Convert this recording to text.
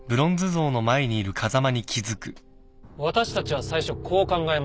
私たちは最初こう考えました。